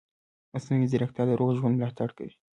مصنوعي ځیرکتیا د روغ ژوند ملاتړ کوي.